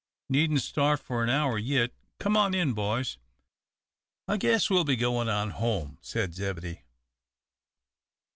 "Needn't start for an hour yit. Come on in, boys." "I guess we'll be goin' on home," said Zebedee.